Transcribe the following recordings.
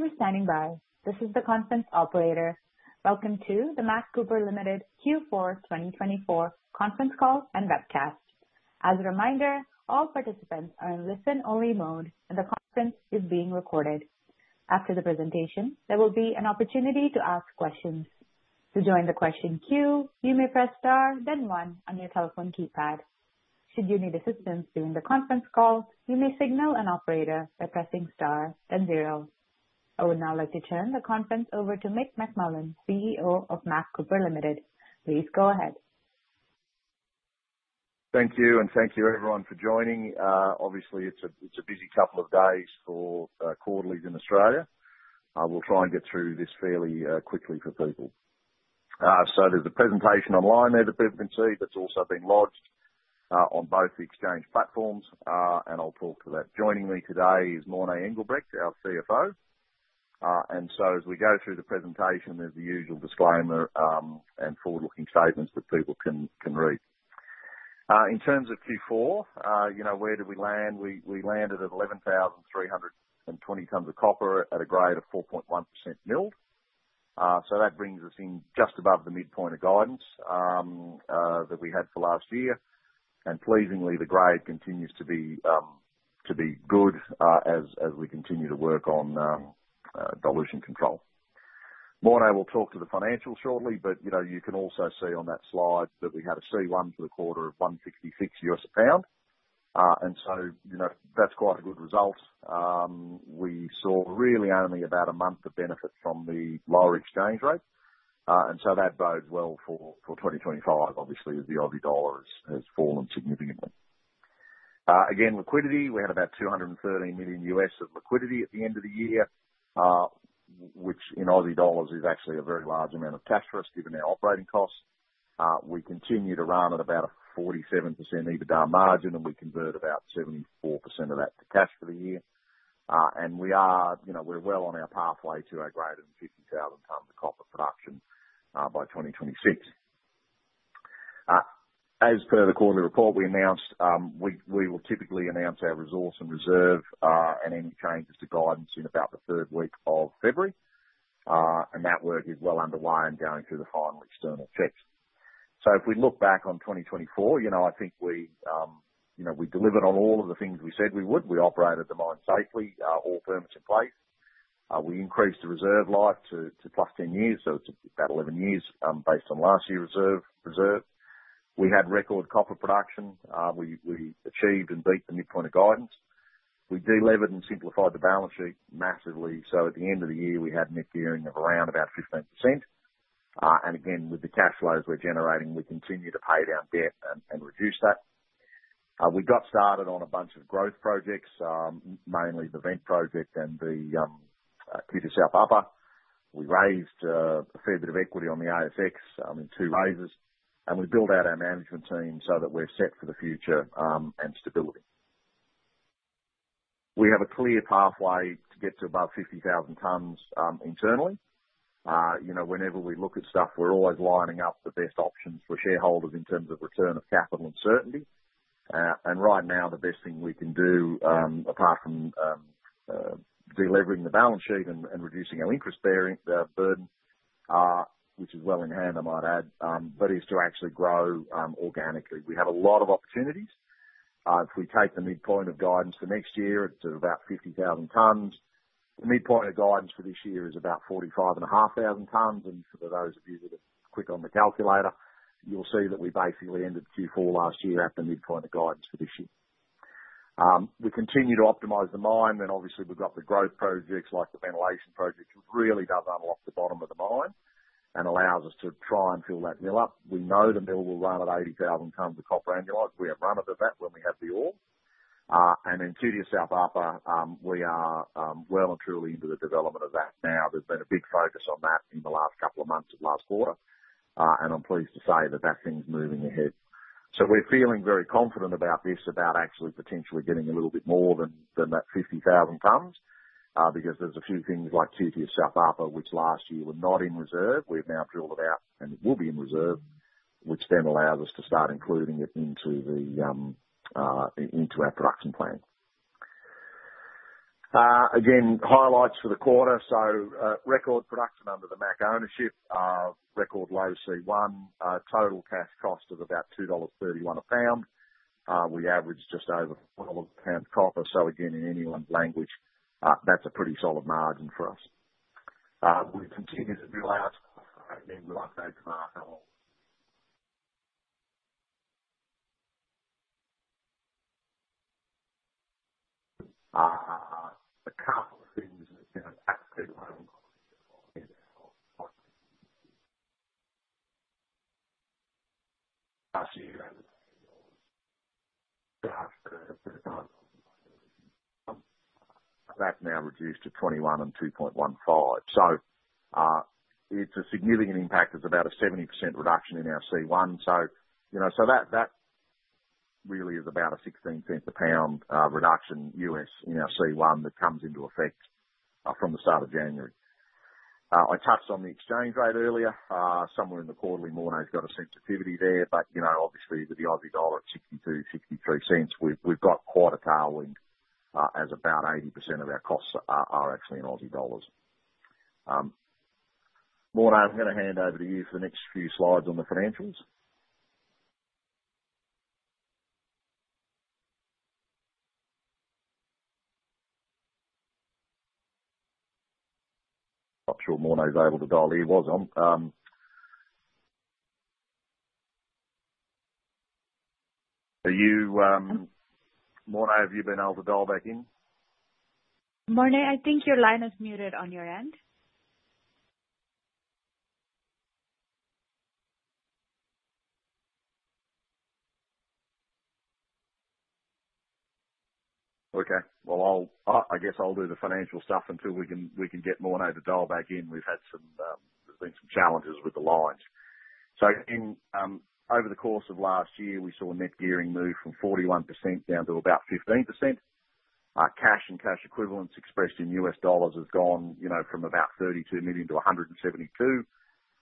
Thank you for standing by. This is the conference operator. Welcome to the MAC Copper Limited Q4 2024 conference call and webcast. As a reminder, all participants are in listen-only mode, and the conference is being recorded. After the presentation, there will be an opportunity to ask questions. To join the question queue, you may press star, then one, on your telephone keypad. Should you need assistance during the conference call, you may signal an operator by pressing star, then zero. I would now like to turn the conference over to Mick McMullen, CEO of MAC Copper Limited. Please go ahead. Thank you, and thank you everyone for joining. Obviously, it's a busy couple of days for quarterlies in Australia. We'll try and get through this fairly quickly for people. So there's a presentation online there that people can see, but it's also been lodged on both the exchange platforms. And I'll talk to that. Joining me today is Morné Engelbrecht, our CFO. And so as we go through the presentation, there's the usual disclaimer and forward-looking statements that people can read. In terms of Q4, where did we land? We landed at 11,320 tons of copper at a grade of 4.1% milled. So that brings us in just above the midpoint of guidance that we had for last year. And pleasingly, the grade continues to be good as we continue to work on dilution control. Morné will talk to the financials shortly, but you can also see on that slide that we had a C1 for the quarter of $166/pound, and so that's quite a good result. We saw really only about a month of benefit from the lower exchange rate, and so that bodes well for 2025, obviously, as the Aussie dollar has fallen significantly. Again, liquidity, we had about $213 million of liquidity at the end of the year, which in Aussie dollars is actually a very large amount of cash for us given our operating costs. We continue to run at about a 47% EBITDA margin, and we convert about 74% of that to cash for the year, and we're well on our pathway to a grade of 50,000 tons of copper production by 2026. As per the quarterly report, we will typically announce our resource and reserve and any changes to guidance in about the third week of February. And that work is well underway and going through the final external checks. So if we look back on 2024, I think we delivered on all of the things we said we would. We operated the mine safely, all permits in place. We increased the reserve life to plus 10 years, so it's about 11 years based on last year's reserve. We had record copper production. We achieved and beat the midpoint of guidance. We delevered and simplified the balance sheet massively. So at the end of the year, we had net gearing of around about 15%. And again, with the cash flows we're generating, we continue to pay down debt and reduce that. We got started on a bunch of growth projects, mainly the vent project and the QTS South Upper. We raised a fair bit of equity on the ASX in two raises, and we built out our management team so that we're set for the future and stability. We have a clear pathway to get to about 50,000 tons internally. Whenever we look at stuff, we're always lining up the best options for shareholders in terms of return of capital and certainty, and right now, the best thing we can do, apart from delivering the balance sheet and reducing our interest burden, which is well in hand, I might add, but is to actually grow organically. We have a lot of opportunities. If we take the midpoint of guidance for next year to about 50,000 tons, the midpoint of guidance for this year is about 45,500 tons. And for those of you that are quick on the calculator, you'll see that we basically ended Q4 last year at the midpoint of guidance for this year. We continue to optimize the mine. And obviously, we've got the growth projects like the ventilation project, which really does unlock the bottom of the mine and allows us to try and fill that mill up. We know the mill will run at 80,000 tons of copper annualized. We have run it at that when we had the ore body. And in Q2 South Upper, we are well and truly into the development of that now. There's been a big focus on that in the last couple of months of last quarter. And I'm pleased to say that that thing's moving ahead. We're feeling very confident about this, about actually potentially getting a little bit more than that 50,000 tons, because there's a few things like Q2 South Upper, which last year were not in reserve. We've now drilled about and will be in reserve, which then allows us to start including it into our production plan. Again, highlights for the quarter. Record production under the MAC ownership, record low C1, total cash cost of about $2.31 a pound. We averaged just over 12 pounds of copper. Again, in anyone's language, that's a pretty solid margin for us. We continue to drill out. I mean, we'll update the market. A couple of things that that's now reduced to 21 and 2.15. It's a significant impact. There's about a 70% reduction in our C1. So that really is about a $0.16-per-pound reduction in our C1 that comes into effect from the start of January. I touched on the exchange rate earlier. Somewhere in the quarterly, Morné has got a sensitivity there. But obviously, with the Aussie dollar at 62.63, we've got quite a tailwind as about 80% of our costs are actually in Aussie dollars. Morné, I'm going to hand over to you for the next few slides on the financials. Not sure Morné is able to dial. He was on. Are you, Morné? Have you been able to dial back in? Morné, I think your line is muted on your end. Okay, well, I guess I'll do the financial stuff until we can get Morné to dial back in. We've had some challenges with the lines, so over the course of last year, we saw net gearing move from 41% down to about 15%. Cash and cash equivalents expressed in U.S. dollars have gone from about $32 million to $172 million,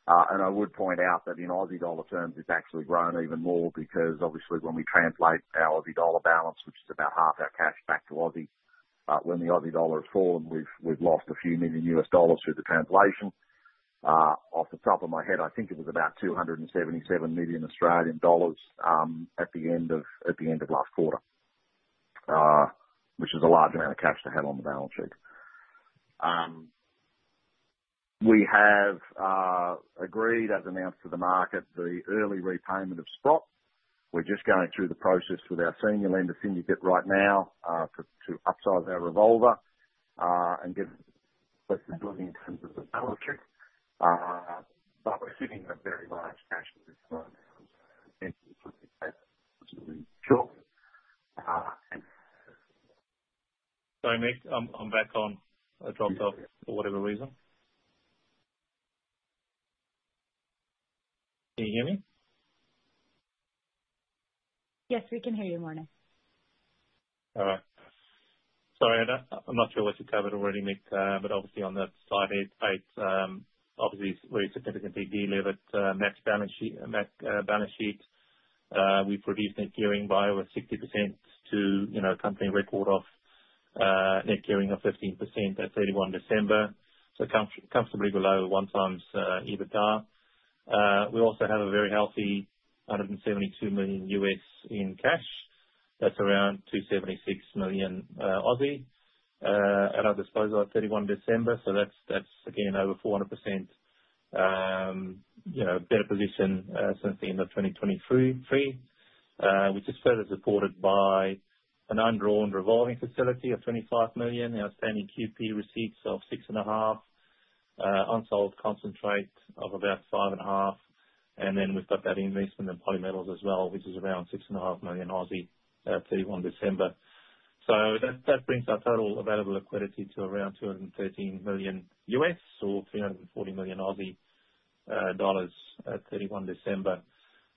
and I would point out that in Aussie dollar terms, it's actually grown even more because, obviously, when we translate our Aussie dollar balance, which is about half our cash back to Aussie, when the Aussie dollar has fallen, we've lost a few million U.S. dollars through the translation. Off the top of my head, I think it was about 277 million Australian dollars at the end of last quarter, which is a large amount of cash to have on the balance sheet. We have agreed, as announced to the market, the early repayment of Sprott. We're just going through the process with our senior lender syndicate right now to upsize our revolver and get better funding in terms of the balance sheet. But we're sitting in a very large cash position. Sorry, Mick. I'm back on. I dropped off for whatever reason. Can you hear me? Yes, we can hear you, Morné. All right. Sorry, Edda. I'm not sure what you covered already, Mick, but obviously, on that slide here, obviously, it's very significantly deleveraged MAC balance sheet. We've reduced net gearing by over 60% to a company record of net gearing of 15% at 31 December. So comfortably below one times EBITDA. We also have a very healthy $172 million in cash. That's around 276 million at our disposal at 31 December. So that's, again, over 400% better position since the end of 2023, which is further supported by an undrawn revolving facility of $25 million, outstanding QP receipts of $6.5 million, unsold concentrate of about $5.5 million. And then we've got that investment in Polymetals as well, which is around 6.5 million at 31 December. So that brings our total available liquidity to around $213 million or 340 million Aussie dollars at 31 December.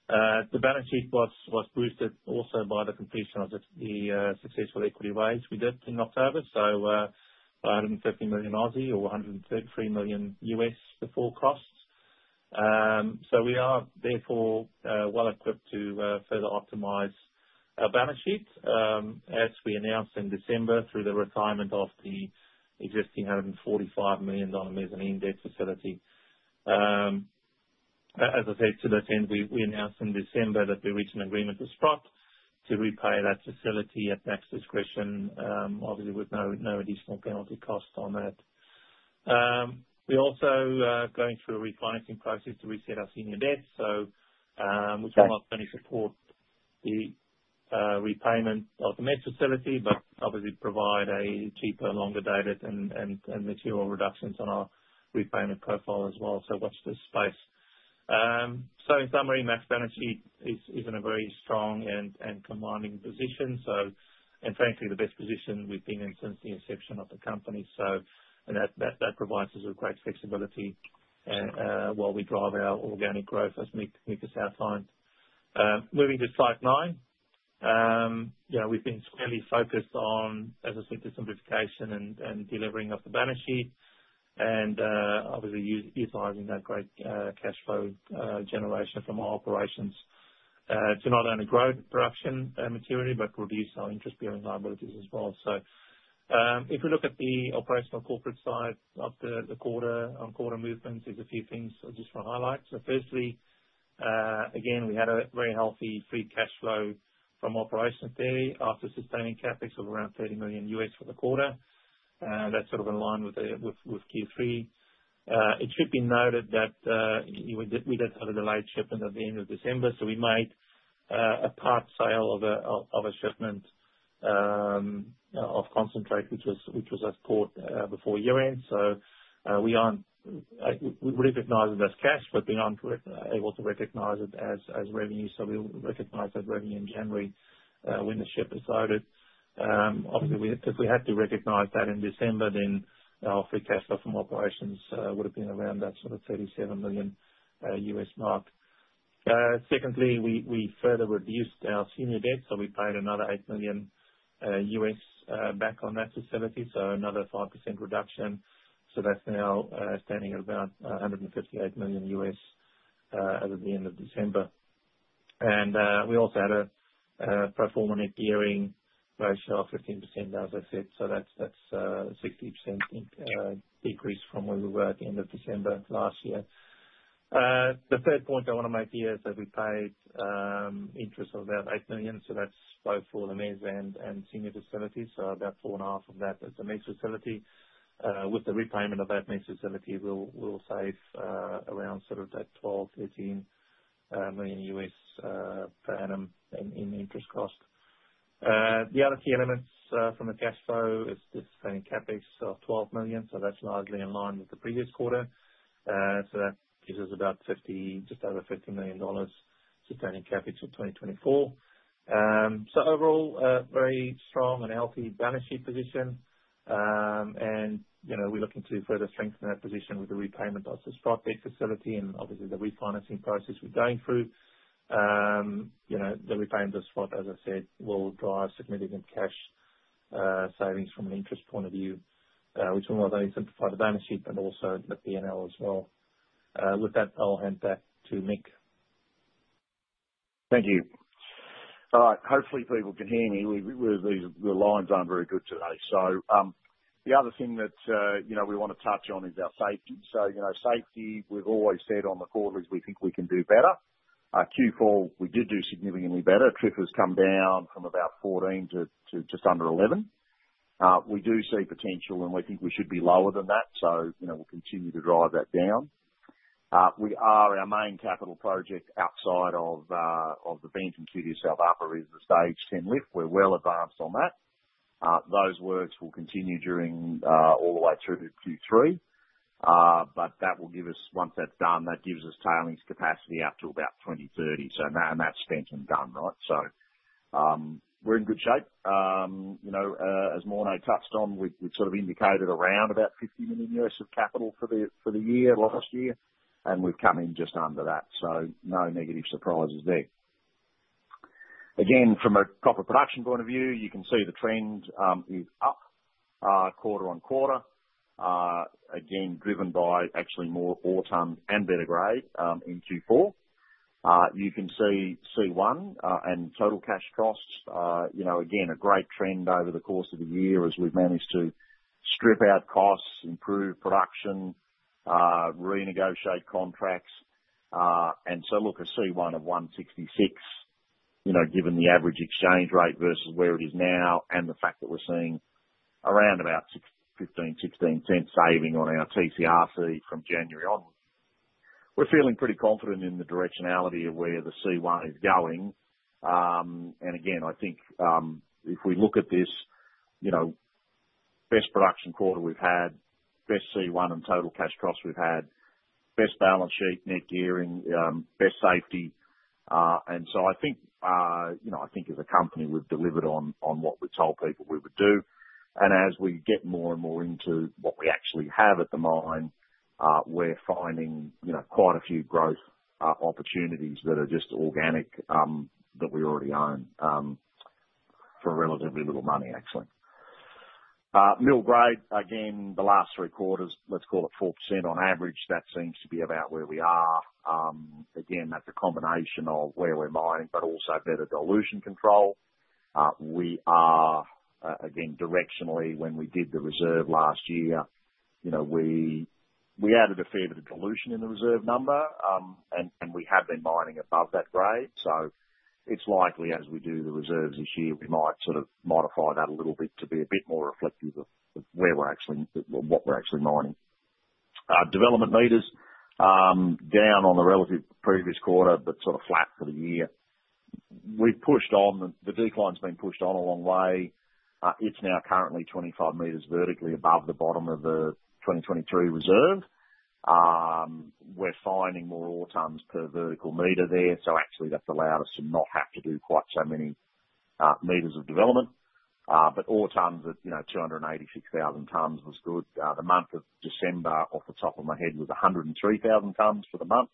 The balance sheet was boosted also by the completion of the successful equity raise we did in October, so 150 million or $133 million before costs, so we are therefore well equipped to further optimize our balance sheet as we announced in December through the retirement of the existing $145 million mezzanine facility. As I said, to that end, we announced in December that we reached an agreement with Sprott to repay that facility at MAC's discretion, obviously, with no additional penalty cost on that. We're also going through a refinancing process to reset our senior debt, which will not only support the repayment of the MAC facility, but obviously provide a cheaper, longer dated and material reductions on our repayment profile as well. So watch this space, so in summary, MAC's balance sheet is in a very strong and commanding position And frankly, the best position we've been in since the inception of the company. So that provides us with great flexibility while we drive our organic growth as Mick has outlined. Moving to slide nine, we've been squarely focused on, as I said, the simplification and delivering of the balance sheet and obviously utilizing that great cash flow generation from our operations to not only grow production materially, but reduce our interest-bearing liabilities as well. So if we look at the operational corporate side of the quarter, on quarter movements, there's a few things just for highlights. So firstly, again, we had a very healthy free cash flow from operations there after sustaining CapEx of around $30 million for the quarter. That's sort of in line with Q3. It should be noted that we did have a delayed shipment at the end of December. So we made a part sale of a shipment of concentrate, which was our port before year-end. So we recognize it as cash, but we aren't able to recognize it as revenue. So we recognized that revenue in January when the ship was loaded. Obviously, if we had to recognize that in December, then our free cash flow from operations would have been around that sort of $37 million mark. Secondly, we further reduced our senior debt. So we paid another $8 million back on that facility. So that's now standing at about $158 million at the end of December. And we also had a pro forma net gearing ratio of 15%, as I said. So that's a 60% decrease from where we were at the end of December last year. The third point I want to make here is that we paid interest of about $8 million, so that's both for the Mezz and senior facilities, so about $4.5 million of that is the Mezz facility. With the repayment of that Mezz facility, we'll save around sort of that $12 million-$13 million U.S. per annum in interest cost. The other key elements from the cash flow is the Sustaining CapEx of $12 million, so that's largely in line with the previous quarter, so that gives us about just over $50 million Sustaining CapEx for 2024, so overall, very strong and healthy balance sheet position, and we're looking to further strengthen that position with the repayment of the Sprott debt facility and obviously the refinancing process we're going through. The repayment of Sprott, as I said, will drive significant cash savings from an interest point of view, which will not only simplify the balance sheet, but also the P&L as well. With that, I'll hand back to Mick. Thank you. All right. Hopefully, people can hear me. The lines aren't very good today. So the other thing that we want to touch on is our safety. So safety, we've always said on the quarterlies we think we can do better. Q4, we did do significantly better. TRIF has come down from about 14 to just under 11. We do see potential, and we think we should be lower than that. So we'll continue to drive that down. Our main capital project outside of the vent in Q2 South Upper is the stage 10 lift. We're well advanced on that. Those works will continue all the way through Q3. But that will give us, once that's done, that gives us tailings capacity up to about 2030. So now that's spent and done, right? So we're in good shape. As Morné touched on, we've sort of indicated around about $50 million of capital for the year last year. And we've come in just under that. So no negative surprises there. Again, from a proper production point of view, you can see the trend is up quarter on quarter, again, driven by actually more tonnage and better grade in Q4. You can see C1 and total cash costs, again, a great trend over the course of the year as we've managed to strip out costs, improve production, renegotiate contracts. And so look at C1 of 166 given the average exchange rate versus where it is now and the fact that we're seeing around $0.15-$0.16 saving on our TCRC from January on. We're feeling pretty confident in the directionality of where the C1 is going. And again, I think if we look at this best production quarter we've had, best C1 and total cash costs we've had, best balance sheet, net gearing, best safety. And so I think as a company, we've delivered on what we told people we would do. And as we get more and more into what we actually have at the mine, we're finding quite a few growth opportunities that are just organic that we already own for relatively little money, actually. Mill grade, again, the last three quarters, let's call it 4% on average. That seems to be about where we are. Again, that's a combination of where we're mining, but also better dilution control. We are, again, directionally, when we did the reserve last year, we added a fair bit of dilution in the reserve number, and we have been mining above that grade. So it's likely as we do the reserves this year, we might sort of modify that a little bit to be a bit more reflective of where we're actually or what we're actually mining. Development meters down on the relative previous quarter, but sort of flat for the year. We've pushed on. The decline's been pushed on a long way. It's now currently 25 meters vertically above the bottom of the 2023 reserve. We're finding more ore tons per vertical meter there. So actually, that's allowed us to not have to do quite so many meters of development. But ore tons at 286,000 tons was good. The month of December, off the top of my head, was 103,000 tons for the month.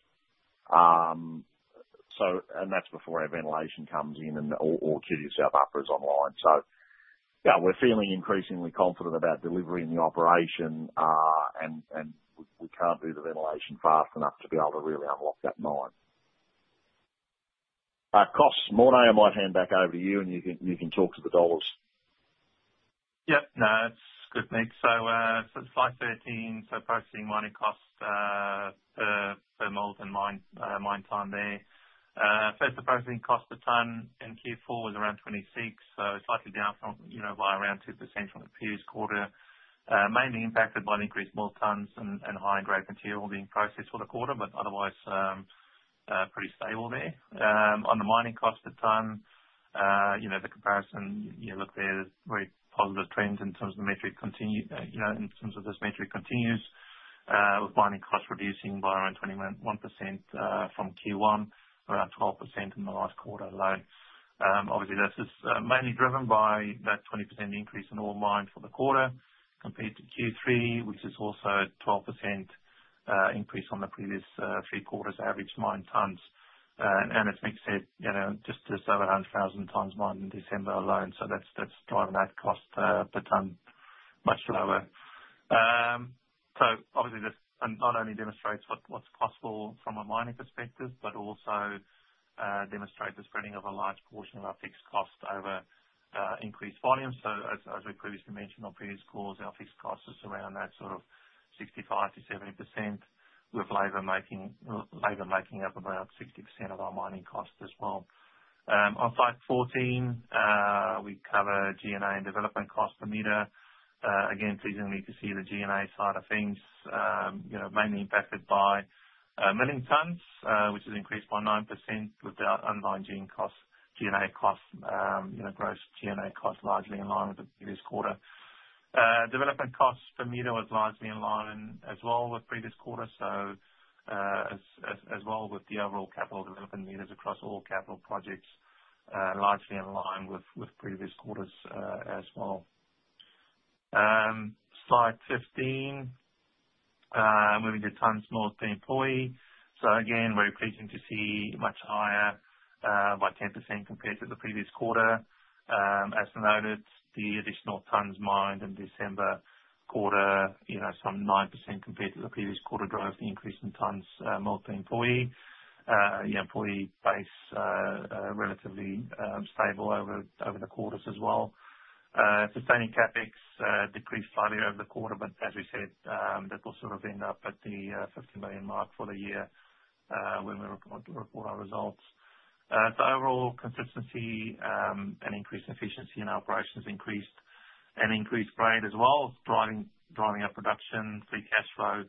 And that's before our ventilation comes in and all Q2 South Upper is online. So yeah, we're feeling increasingly confident about delivery in the operation, and we can't do the ventilation fast enough to be able to really unlock that mine. Costs, Morné, I might hand back over to you, and you can talk to the dollars. Yep. No, that's good, Mick. So slide 13, so processing mining cost per metal and mine ton there. First, the processing cost per ton in Q4 was around 26, so slightly down by around 2% from the previous quarter. Mainly impacted by the increased metal tons and high-grade material being processed for the quarter, but otherwise pretty stable there. On the mining cost per ton, the comparison, you look there, there's very positive trends in terms of the metric continuing in terms of this metric continues with mining costs reducing by around 21% from Q1, around 12% in the last quarter alone. Obviously, this is mainly driven by that 20% increase in ore mined for the quarter compared to Q3, which is also a 12% increase on the previous three quarters' average mined tons. And as Mick said, just over 100,000 tons mined in December alone. So that's driving that cost per ton much lower. So obviously, this not only demonstrates what's possible from a mining perspective, but also demonstrates the spreading of a large portion of our fixed cost over increased volume. So as we previously mentioned on previous calls, our fixed cost is around that sort of 65%-70% with labor making up about 60% of our mining cost as well. On slide 14, we cover G&A and development cost per meter. Again, pleasingly to see the G&A side of things, mainly impacted by milling tons, which has increased by 9% with our underlying G&A cost, gross G&A cost largely in line with the previous quarter. Development costs per meter was largely in line as well with previous quarter. So as well with the overall capital development meters across all capital projects, largely in line with previous quarters as well. Slide 15, moving to tons milled per employee. So again, very pleasing to see much higher by 10% compared to the previous quarter. As noted, the additional tons mined in December quarter, some 9% compared to the previous quarter, drove the increase in tons milled per employee. The employee base relatively stable over the quarters as well. Sustaining CapEx decreased slightly over the quarter, but as we said, that will sort of end up at the 50 million mark for the year when we report our results. So overall consistency and increased efficiency in operations, increased grade as well, driving our production, free cash flow,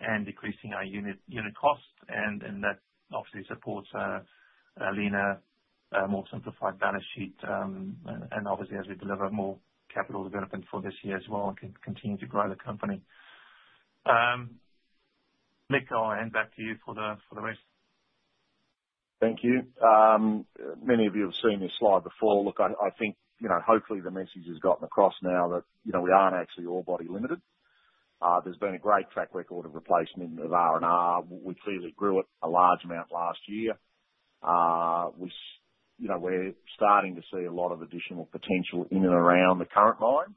and decreasing our unit cost. And that obviously supports a leaner, more simplified balance sheet. And obviously, as we deliver more capital development for this year as well, we can continue to grow the company. Mick, I'll hand back to you for the rest. Thank you. Many of you have seen this slide before. Look, I think hopefully the message has gotten across now that we aren't actually orebody limited. There's been a great track record of replacement of R&R. We clearly grew it a large amount last year. We're starting to see a lot of additional potential in and around the current mine.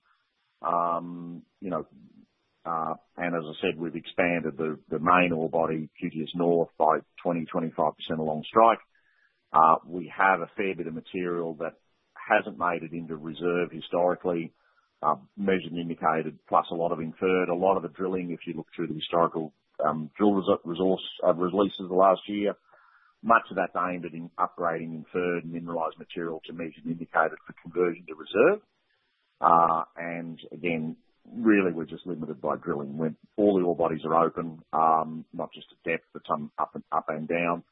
And as I said, we've expanded the main orebody Q2 North by 20-25% along strike. We have a fair bit of material that hasn't made it into reserve historically, measured and indicated, plus a lot of inferred. A lot of the drilling, if you look through the historical drill resource releases last year, much of that's aimed at upgrading inferred mineralized material to measured and indicated for conversion to reserve. And again, really, we're just limited by drilling. All the ore bodies are open, not just at depth, but up and down.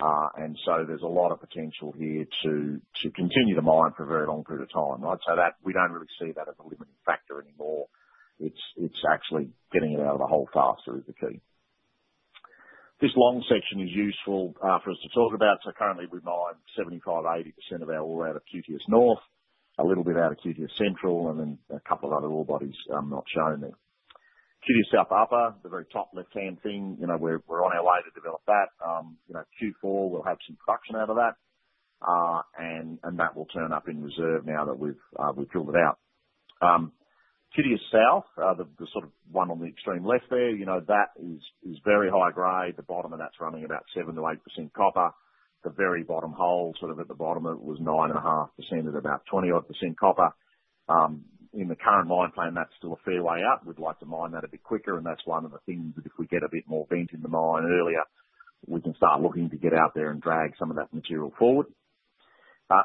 So there's a lot of potential here to continue to mine for a very long period of time, right? We don't really see that as a limiting factor anymore. It's actually getting it out of the hole faster is the key. This long section is useful for us to talk about. Currently, we mine 75-80% of our ore out of Q2 North, a little bit out of Q2 Central, and then a couple of other ore bodies not shown there. Q2 South Upper, the very top left-hand thing, we're on our way to develop that. Q4, we'll have some production out of that, and that will turn up in reserves now that we've drilled it out. Q2 South, the sort of one on the extreme left there, that is very high grade. The bottom of that's running about 7%-8% copper. The very bottom hole, sort of at the bottom, it was 9.5% at about 21% copper. In the current mine plan, that's still a fair way up. We'd like to mine that a bit quicker, and that's one of the things that if we get a bit more vent in the mine earlier, we can start looking to get out there and drag some of that material forward.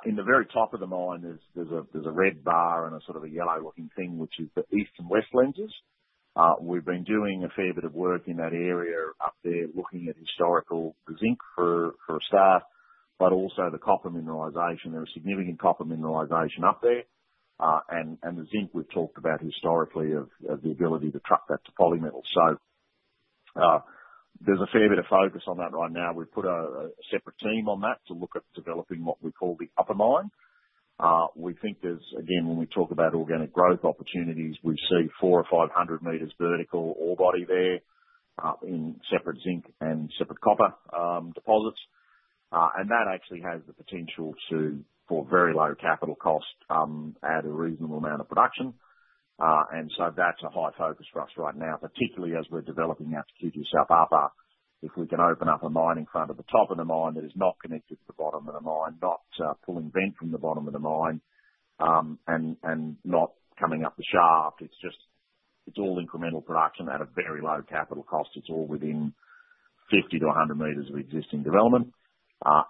In the very top of the mine, there's a red bar and a sort of a yellow looking thing, which is the East and West Lenses. We've been doing a fair bit of work in that area up there, looking at historical zinc for a start, but also the copper mineralization. There was significant copper mineralization up there, and the zinc we've talked about historically of the ability to truck that to Polymetals, so there's a fair bit of focus on that right now. We've put a separate team on that to look at developing what we call the upper mine. We think there's, again, when we talk about organic growth opportunities, we see 400 or 500 meters vertical ore body there in separate zinc and separate copper deposits, and that actually has the potential for very low capital cost at a reasonable amount of production. And so that's a high focus for us right now, particularly as we're developing out to Q2 South Upper. If we can open up a mine in front of the top of the mine that is not connected to the bottom of the mine, not pulling vent from the bottom of the mine and not coming up the shaft. It's all incremental production at a very low capital cost. It's all within 50 to 100 meters of existing development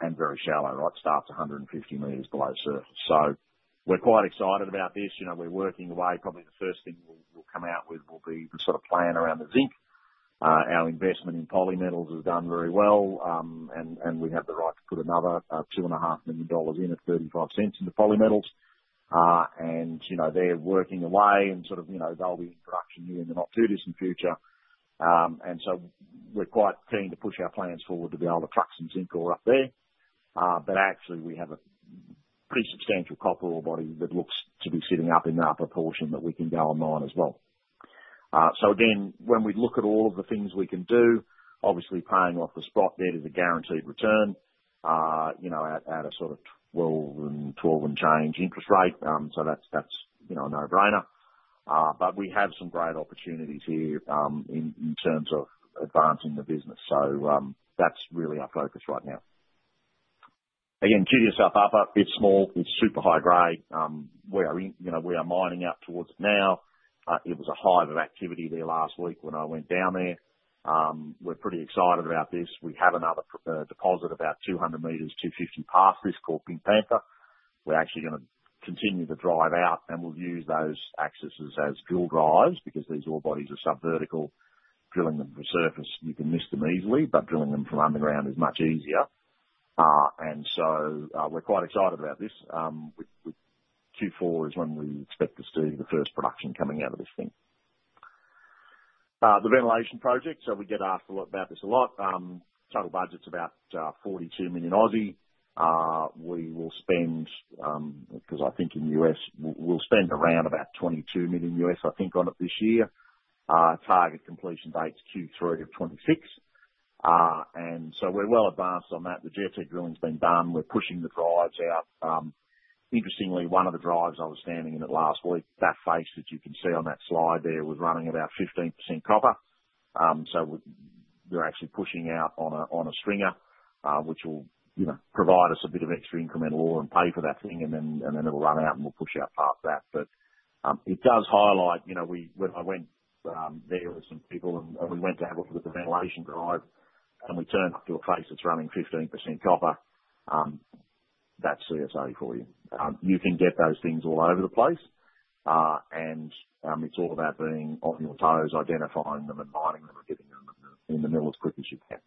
and very shallow, right? Starts 150 meters below surface. So we're quite excited about this. We're working away. Probably the first thing we'll come out with will be the sort of plan around the zinc. Our investment in Polymetals has done very well, and we have the right to put another 2.5 million dollars in at 0.35 into Polymetals. They're working away and sort of they'll be in production here in the not too distant future. We're quite keen to push our plans forward to be able to truck some zinc ore up there. Actually, we have a pretty substantial copper ore body that looks to be sitting up in the upper portion that we can go and mine as well. When we look at all of the things we can do, obviously paying off the Sprott there is a guaranteed return at a sort of 12 and change interest rate. That's a no-brainer. We have some great opportunities here in terms of advancing the business. That's really our focus right now. Q2 South Upper, it's small, it's super high grade. We are mining out towards it now. It was a hive of activity there last week when I went down there. We're pretty excited about this. We have another deposit about 200-250 meters past this called Pink Panther. We're actually going to continue to drive out, and we'll use those accesses as drill drives because these all bodies are subvertical. Drilling them from surface, you can miss them easily, but drilling them from underground is much easier. And so we're quite excited about this. Q4 is when we expect to see the first production coming out of this thing. The ventilation project, so we get asked to look about this a lot. Total budget's about 42 million. We will spend, because I think in the US, we'll spend around about $22 million, I think, on it this year. Target completion date's Q3 of 2026. And so we're well advanced on that. The geotech drilling's been done. We're pushing the drives out. Interestingly, one of the drives I was standing in it last week, that face that you can see on that slide there was running about 15% copper. So we're actually pushing out on a stringer, which will provide us a bit of extra incremental ore and pay for that thing, and then it'll run out and we'll push out past that. But it does highlight when I went there with some people and we went to have a look at the ventilation drive, and we turned up to a face that's running 15% copper. That's CSA for you. You can get those things all over the place, and it's all about being on your toes, identifying them and mining them and getting them in the mill as quick as you can.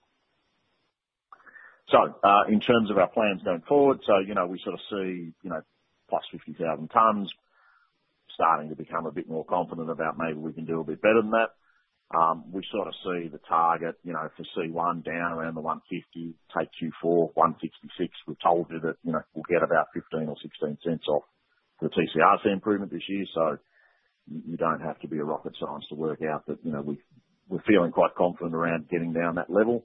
So in terms of our plans going forward, so we sort of see plus 50,000 tons, starting to become a bit more confident about maybe we can do a bit better than that. We sort of see the target for C1 down around the $1.50, take Q4 $1.66. We've told you that we'll get about $0.15 or $0.16 off the TCRC improvement this year. So you don't have to be a rocket scientist to work out that we're feeling quite confident around getting down that level.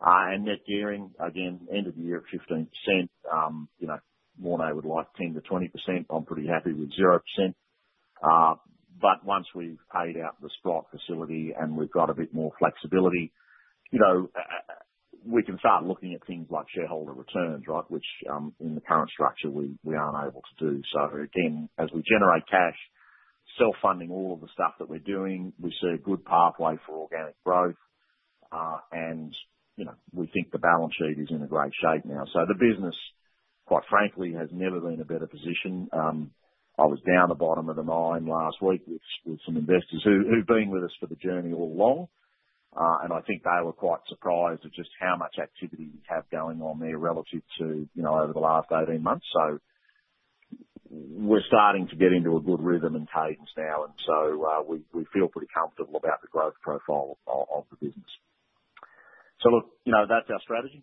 And net gearing, again, end of the year at 15%. Morné would like 10%-20%. I'm pretty happy with 0%. But once we've paid out the spot facility and we've got a bit more flexibility, we can start looking at things like shareholder returns, right? Which in the current structure, we aren't able to do. So again, as we generate cash, self-funding all of the stuff that we're doing, we see a good pathway for organic growth. And we think the balance sheet is in great shape now. So the business, quite frankly, has never been in a better position. I was down the bottom of the mine last week with some investors who've been with us for the journey all along. And I think they were quite surprised at just how much activity we have going on there relative to over the last 18 months. So we're starting to get into a good rhythm and cadence now, and so we feel pretty comfortable about the growth profile of the business. So look, that's our strategy.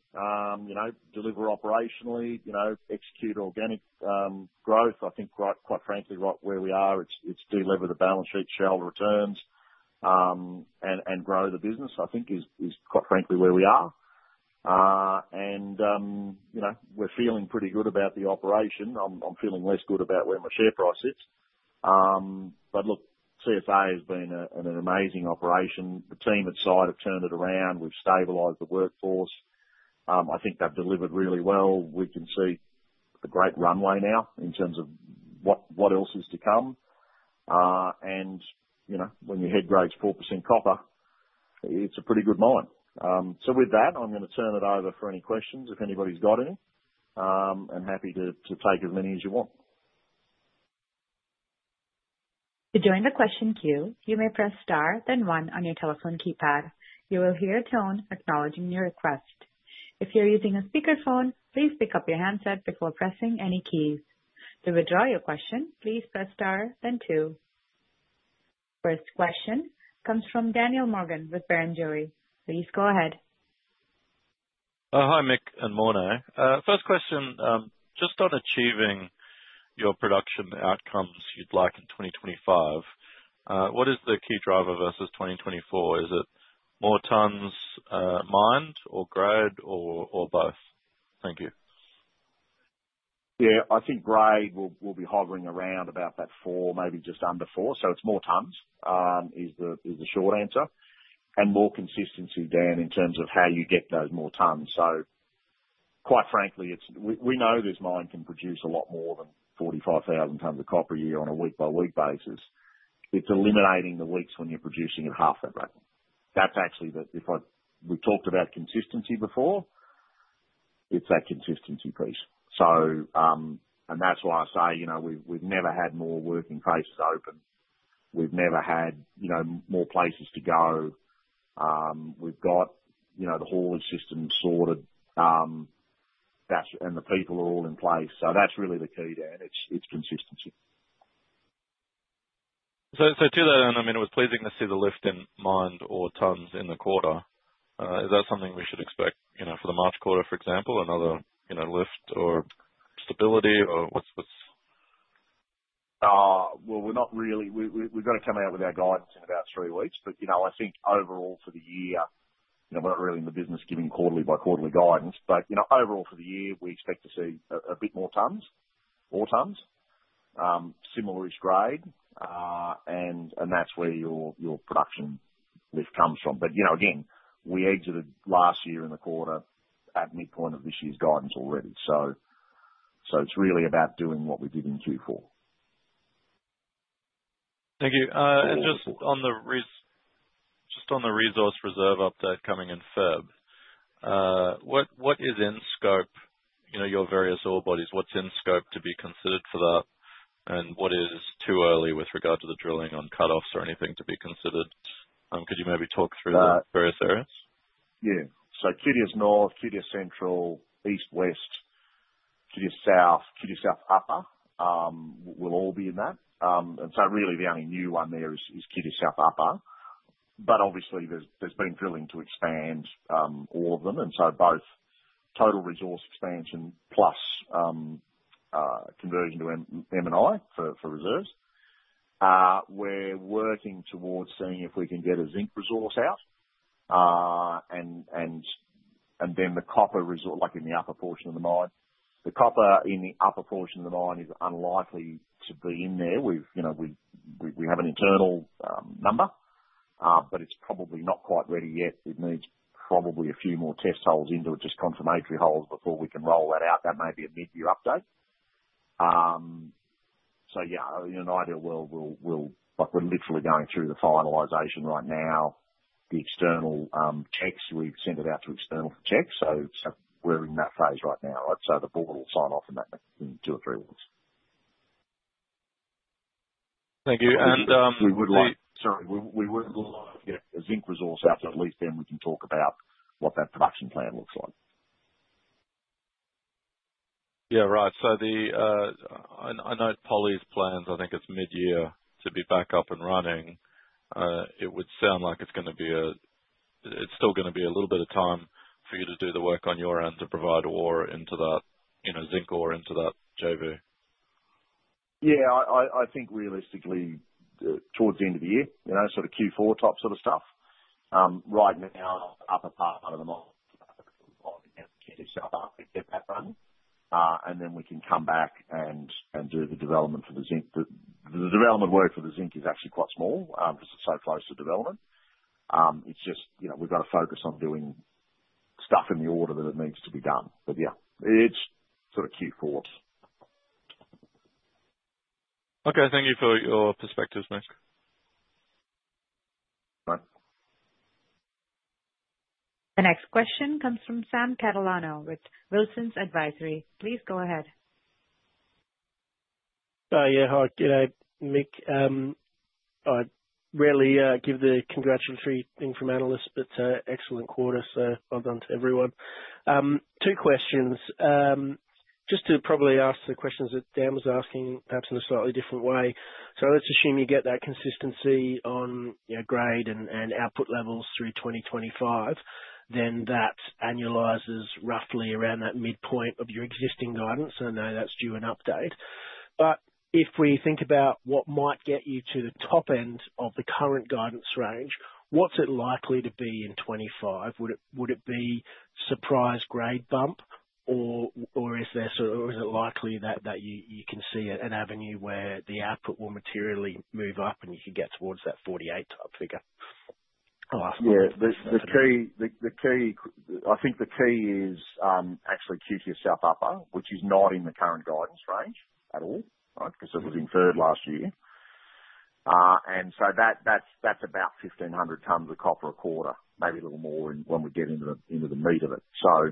Deliver operationally, execute organic growth. I think, quite frankly, right where we are, it's deliver the balance sheet, shareholder returns, and grow the business, I think, is quite frankly where we are and we're feeling pretty good about the operation. I'm feeling less good about where my share price sits, but look, CSA has been an amazing operation. The team at the site have turned it around. We've stabilized the workforce. I think they've delivered really well. We can see a great runway now in terms of what else is to come. And when your head grade's 4% copper, it's a pretty good mine, so with that, I'm going to turn it over for any questions if anybody's got any and happy to take as many as you want. To join the question queue, you may press star, then one on your telephone keypad. You will hear a tone acknowledging your request. If you're using a speakerphone, please pick up your handset before pressing any keys. To withdraw your question, please press star, then two. First question comes from Daniel Morgan with Barrenjoey. Please go ahead. Hi, Mick and Morné. First question, just on achieving your production outcomes you'd like in 2025, what is the key driver versus 2024? Is it more tonnes mined or grade or both? Thank you. Yeah, I think grade will be hovering around about that four, maybe just under four. So it's more tons is the short answer. And more consistency down in terms of how you get those more tons. So quite frankly, we know this mine can produce a lot more than 45,000 tons of copper a year on a week-by-week basis. It's eliminating the weeks when you're producing at half that rate. That's actually the we talked about consistency before. It's that consistency piece. And that's why I say we've never had more working faces open. We've never had more places to go. We've got the haulage system sorted, and the people are all in place. So that's really the key there. It's consistency. So to that end, I mean, it was pleasing to see the lift in mined ore tonnes in the quarter. Is that something we should expect for the March quarter, for example, another lift or stability, or what's? We're not really. We've got to come out with our guidance in about three weeks. But I think overall for the year, we're not really in the business giving quarterly by quarterly guidance. But overall for the year, we expect to see a bit more tons, more tons, similarish grade. And that's where your production lift comes from. But again, we exited last year in the quarter at midpoint of this year's guidance already. So it's really about doing what we did in Q4. Thank you, and just on the resource reserve update coming in February, what is in scope, your various ore bodies, what's in scope to be considered for that, and what is too early with regard to the drilling on cutoffs or anything to be considered? Could you maybe talk through those various areas? Yeah. Q2 North, Q2 Central, East Lens, West Lens, Q2 South, Q2 South Upper will all be in that. Really the only new one there is Q2 South Upper. But obviously, there's been drilling to expand all of them. Both total resource expansion plus conversion to M&I for reserves. We're working towards seeing if we can get a zinc resource out. The copper resource, like in the upper portion of the mine, the copper in the upper portion of the mine is unlikely to be in there. We have an internal number, but it's probably not quite ready yet. It needs probably a few more test holes into it, just confirmatory holes before we can roll that out. That may be a mid-year update. In an ideal world, we're literally going through the finalization right now, the external checks. We've sent it out to external checks. So we're in that phase right now. So the board will sign off on that in two or three weeks. Thank you. And. We would like a zinc resource out to at least. Then we can talk about what that production plan looks like. Yeah, right. So I know Polly's plans, I think it's mid-year to be back up and running. It would sound like it's still going to be a little bit of time for you to do the work on your end to provide ore into that zinc ore into that JV. Yeah, I think realistically towards the end of the year, sort of Q4 type sort of stuff. Right now, upper part of the month, we'll get that running. And then we can come back and do the development for the zinc. The development work for the zinc is actually quite small because it's so close to development. It's just we've got to focus on doing stuff in the order that it needs to be done. But yeah, it's sort of Q4. Okay. Thank you for your perspectives, Mick. All right. The next question comes from Sam Catalano with Wilsons Advisory. Please go ahead. Yeah, hi. Mick, I rarely give the congratulatory thing from analysts, but excellent quarter, so well done to everyone. Two questions. Just to probably ask the questions that Dan was asking, perhaps in a slightly different way. So let's assume you get that consistency on grade and output levels through 2025, then that annualizes roughly around that midpoint of your existing guidance. And I know that's due an update. But if we think about what might get you to the top end of the current guidance range, what's it likely to be in 2025? Would it be surprise grade bump, or is it likely that you can see an avenue where the output will materially move up and you can get towards that 48 type figure? Yeah. I think the key is actually Q2 South Upper, which is not in the current guidance range at all, right? Because it was Inferred last year. And so that's about 1,500 tons of copper a quarter, maybe a little more when we get into the meat of it. So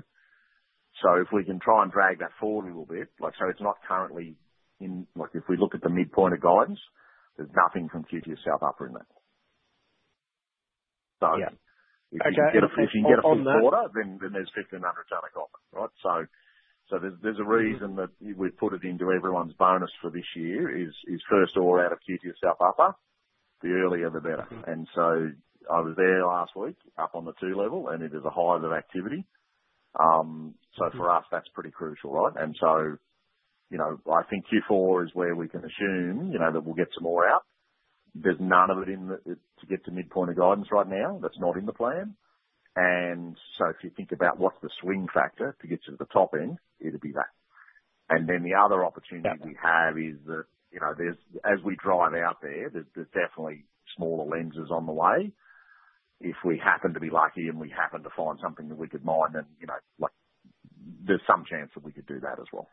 if we can try and drag that forward a little bit, so it's not currently in if we look at the midpoint of guidance, there's nothing from Q2 South Upper in that. So if you can get a full quarter, then there's 1,500 tons of copper, right? So there's a reason that we've put it into everyone's bonus for this year is first ore out of Q2 South Upper. The earlier, the better. And so I was there last week up on the two level, and it is a hive of activity. So for us, that's pretty crucial, right? And so I think Q4 is where we can assume that we'll get some ore out. There's none of it to get to midpoint of guidance right now. That's not in the plan. And so if you think about what's the swing factor to get to the top end, it'd be that. And then the other opportunity we have is that as we drive out there, there's definitely smaller lenses on the way. If we happen to be lucky and we happen to find something that we could mine, then there's some chance that we could do that as well.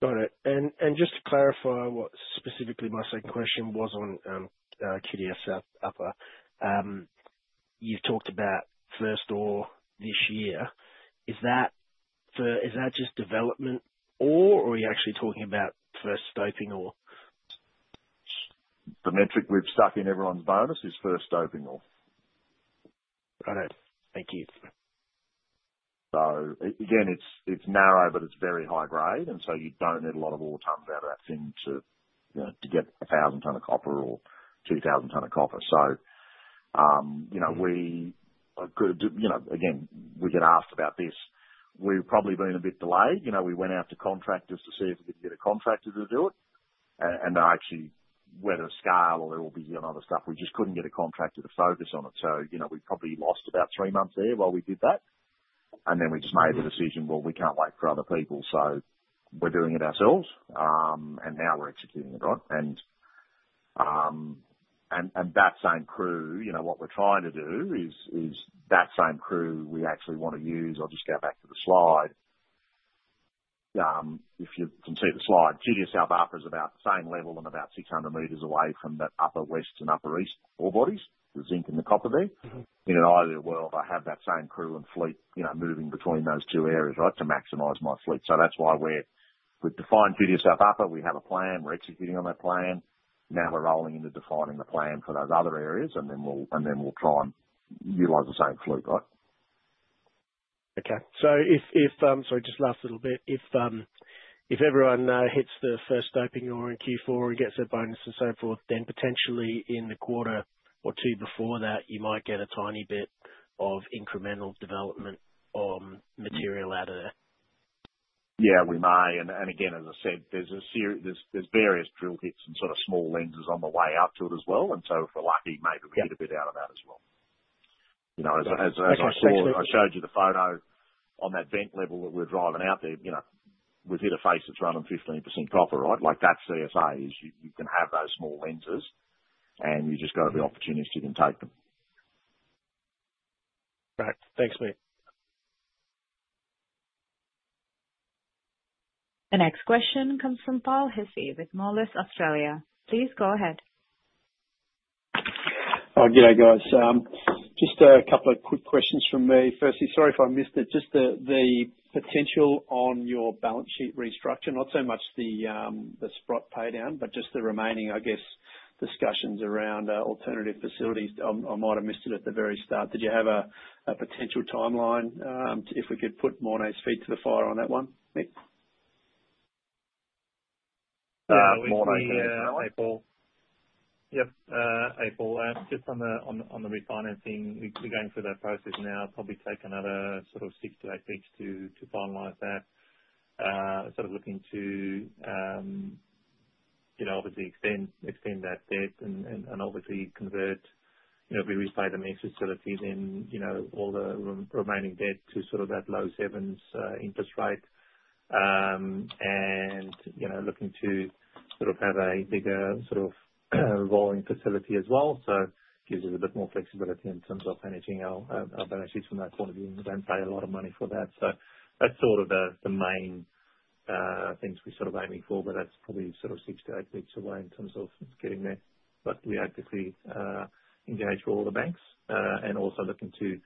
Got it. And just to clarify what specifically my second question was on Q2 South Upper, you've talked about first ore this year. Is that just development ore, or are you actually talking about first stoping ore? The metric we've stuck in everyone's bonus is first stoping ore. Got it. Thank you. So again, it's narrow, but it's very high grade. And so you don't need a lot of ore tons out of that thing to get 1,000 tons of copper or 2,000 tons of copper. So we are good. Again, we get asked about this. We've probably been a bit delayed. We went out to contractors to see if we could get a contractor to do it. And actually, whether at scale or there will be other stuff, we just couldn't get a contractor to focus on it. So we probably lost about three months there while we did that. And then we just made the decision, well, we can't wait for other people. So we're doing it ourselves. And now we're executing it, right? And that same crew, what we're trying to do is that same crew we actually want to use. I'll just go back to the slide. If you can see the slide, Q2 South Upper is about the same level and about 600 meters away from the Upper West and Upper East ore bodies, the zinc and the copper there. In an ideal world, I have that same crew and fleet moving between those two areas, right, to maximize my fleet. So that's why we've defined Q2 South Upper. We have a plan. We're executing on that plan. Now we're rolling into defining the plan for those other areas. And then we'll try and utilize the same fleet, right? Okay. Sorry, just last little bit. If everyone hits the first stoping ore in Q4 and gets their bonus and so forth, then potentially in the quarter or two before that, you might get a tiny bit of incremental development material out of there. Yeah, we may. And again, as I said, there's various drill hits and sort of small lenses on the way up to it as well. And so if we're lucky, maybe we get a bit out of that as well. As I said, I showed you the photo on that vent level that we're driving out there. We've hit a face that's run on 15% copper, right? That's CSA. You can have those small lenses, and you just got to be opportunistic and take them. Right. Thanks, Mick. The next question comes from Paul Hissey with Moelis Australia. Please go ahead. Hi, guys. Just a couple of quick questions from me. Firstly, sorry if I missed it. Just the potential on your balance sheet restructure, not so much the Sprott paydown, but just the remaining, I guess, discussions around alternative facilities. I might have missed it at the very start. Did you have a potential timeline if we could put Morné's feet to the fire on that one, Mick? Yeah, Morné's here. Yep. April. Just on the refinancing, we're going through that process now. It'll probably take another sort of six to eight weeks to finalize that. Sort of looking to, obviously, extend that debt and obviously convert if we repay the mezzanine facilities, then all the remaining debt to sort of that low sevens interest rate. And looking to sort of have a bigger sort of revolving facility as well. So it gives us a bit more flexibility in terms of managing our balance sheets from that point of view. We don't pay a lot of money for that. So that's sort of the main things we're sort of aiming for, but that's probably sort of six to eight weeks away in terms of getting there. But we actively engage with all the banks and also looking to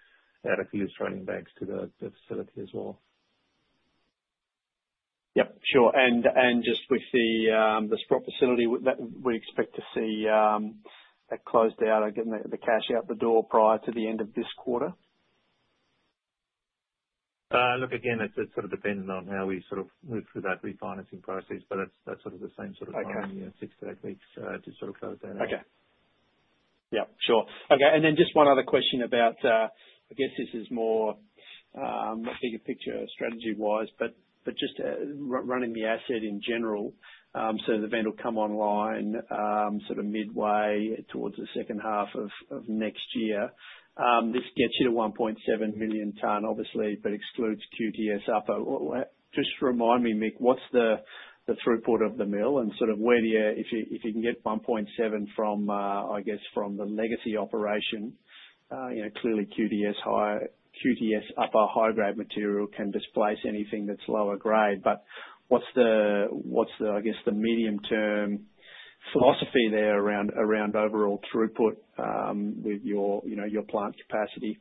add a few Australian banks to the facility as well. Yep. Sure. And just with the Sprott facility, we expect to see that closed out, getting the cash out the door prior to the end of this quarter? Look, again, it sort of depends on how we sort of move through that refinancing process. But that's sort of the same sort of time, six to eight weeks, to sort of close that out. Okay. Yep. Sure. Okay. And then just one other question about, I guess this is more bigger picture strategy-wise, but just running the asset in general. So the vent will come online sort of midway towards the second half of next year. This gets you to 1.7 million tons, obviously, but excludes Q2 South Upper. Just remind me, Mick, what's the throughput of the mill? And sort of where do you if you can get 1.7 from, I guess, from the legacy operation, clearly Q2 South Upper high-grade material can displace anything that's lower grade. But what's the, I guess, the medium-term philosophy there around overall throughput with your plant capacity?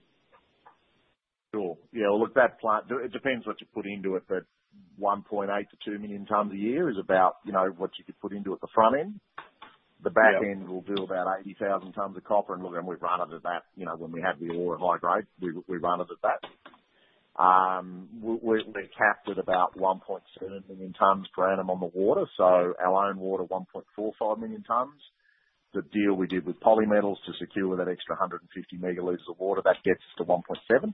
Sure. Yeah. Look, that plant, it depends what you put into it, but 1.8-2 million tonnes a year is about what you could put into at the front end. The back end will do about 80,000 tonnes of copper. And look, we've run out of that. When we had the ore at high grade, we ran out of that. We're capped at about 1.7 million tonnes per annum on the water. So our own water, 1.45 million tonnes. The deal we did with Polymetals to secure that extra 150 megaliters of water, that gets us to 1.7.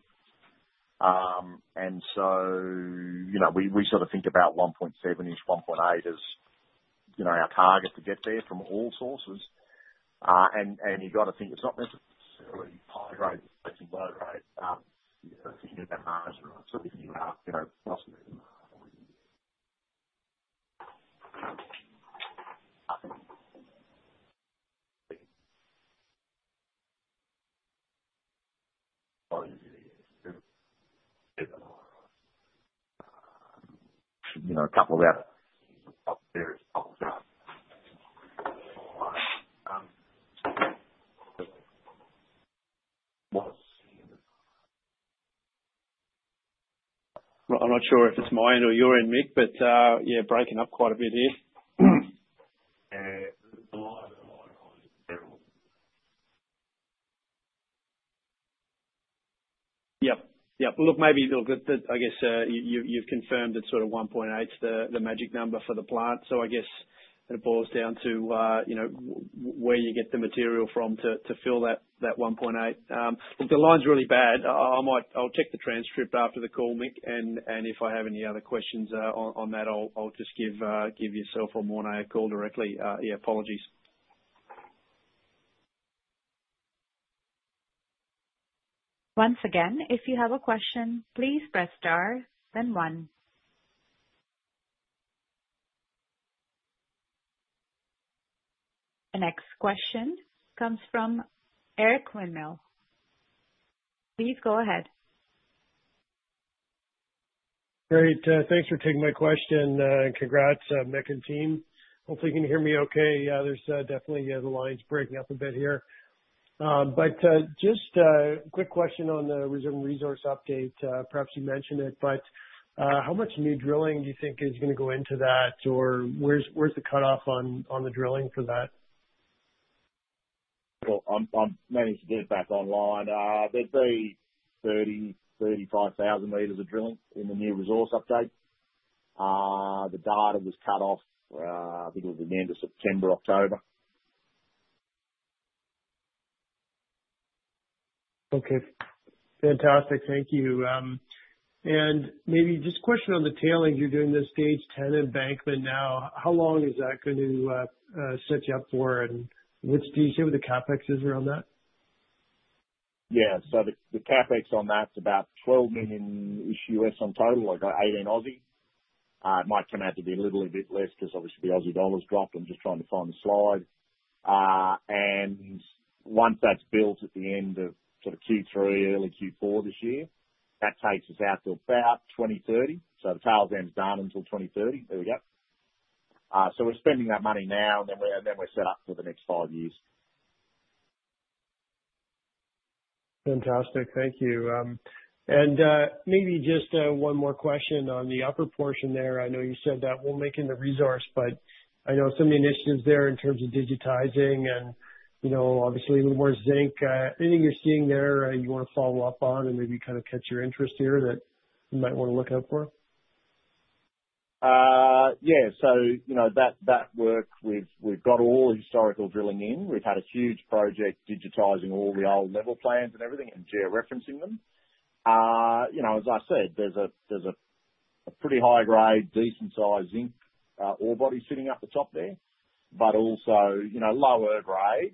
And so we sort of think about 1.7ish, 1.8 as our target to get there from all sources. And you've got to think it's not necessarily high-grade versus low-grade. You've got to think about margin, right? So if you are possibly a couple of that. I'm not sure if it's my end or your end, Mick, but yeah, breaking up quite a bit here. Yep. Look, maybe, I guess you've confirmed that sort of 1.8's the magic number for the plant. So I guess it boils down to where you get the material from to fill that 1.8. Look, the line's really bad. I'll check the transcript after the call, Mick. And if I have any other questions on that, I'll just give yourself or Morné a call directly. Yeah, apologies. Once again, if you have a question, please press star, then one. The next question comes from Eric Winmill. Please go ahead. Great. Thanks for taking my question. Congrats, Mick and team. Hopefully, you can hear me okay. There's definitely the lines breaking up a bit here. But just a quick question on the reserve resource update. Perhaps you mentioned it, but how much new drilling do you think is going to go into that? Or where's the cutoff on the drilling for that? I'm managing to get it back online. There's 30,000-35,000 meters of drilling in the new resource update. The data was cut off, I think it was the end of September, October. Okay. Fantastic. Thank you. And maybe just a question on the tailings. You're doing the stage 10 embankment now. How long is that going to set you up for? And what do you say the CapEx is around that? Yeah. So the CapEx on that's about $12 million in total, like 18 million. It might come out to be a little bit less because obviously the Aussie dollar's dropped. I'm just trying to find the slide. And once that's built at the end of sort of Q3, early Q4 this year, that takes us out to about 2030. So the tail's then done until 2030. There we go. So we're spending that money now, and then we're set up for the next five years. Fantastic. Thank you. And maybe just one more question on the upper portion there. I know you said that we'll make it a resource, but I know some of the initiatives there in terms of digitizing and obviously a little more zinc. Anything you're seeing there you want to follow up on and maybe kind of catch your interest here that you might want to look out for? Yeah, so that work, we've got all the historical drilling in. We've had a huge project digitizing all the old level plans and everything and georeferencing them. As I said, there's a pretty high-grade, decent-sized zinc ore body sitting up the top there, but also lower grade,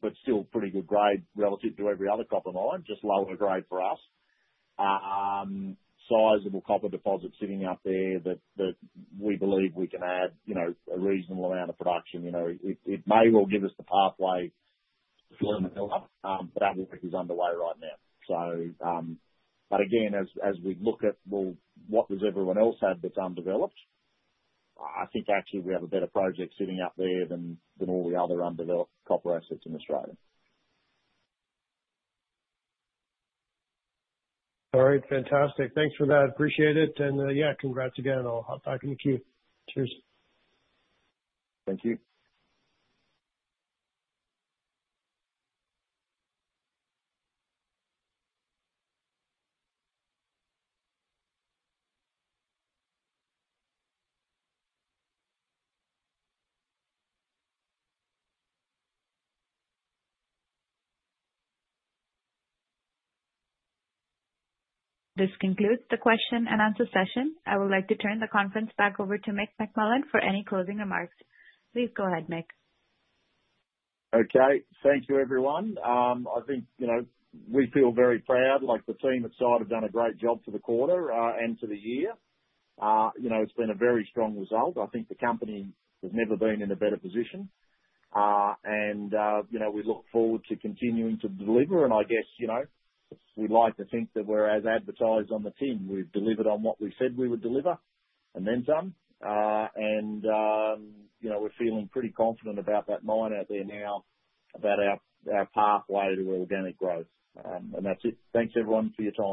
but still pretty good grade relative to every other copper mine, just lower grade for us. Sizable copper deposit sitting out there that we believe we can add a reasonable amount of production. It may well give us the pathway to filling the hill up, but that work is underway right now, but again, as we look at what does everyone else have that's undeveloped, I think actually we have a better project sitting out there than all the other undeveloped copper assets in Australia. All right. Fantastic. Thanks for that. Appreciate it. And yeah, congrats again. I'll hop back in the queue. Cheers. Thank you. This concludes the question and answer session. I would like to turn the conference back over to Mick McMullen for any closing remarks. Please go ahead, Mick. Okay. Thank you, everyone. I think we feel very proud. The team at CSA have done a great job for the quarter and for the year. It's been a very strong result. I think the company has never been in a better position, and we look forward to continuing to deliver, and I guess we'd like to think that we're as advertised on the team. We've delivered on what we said we would deliver and then some, and we're feeling pretty confident about that mine out there now, about our pathway to organic growth, and that's it. Thanks, everyone, for your time.